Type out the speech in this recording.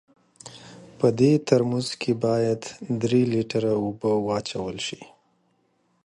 په دې ترموز کې باید درې لیټره اوبه واچول سي.